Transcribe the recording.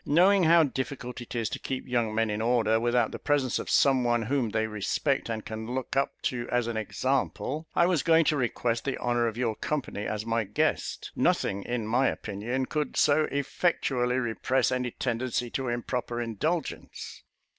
Knowing how difficult it is to keep young men in order, without the presence of some one whom they respect, and can look up to as an example, I was going to request the honour of your company as my guest. Nothing, in my opinion, could so effectually repress any tendency to improper indulgence."